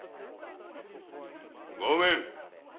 ・御免！